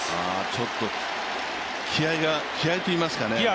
ちょっと気合いといいますかね